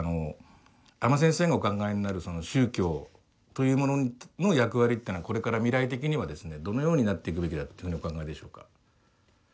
阿満先生のお考えになる宗教というものの役割っていうのはこれから未来的にはですねどのようになっていくべきだというふうにお考えでしょうか。